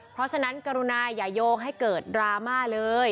เพราะฉะนั้นกรุณาอย่าโยงให้เกิดดราม่าเลย